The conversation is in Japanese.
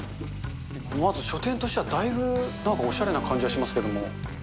まず書店としてはだいぶなんかおしゃれな感じしますけども。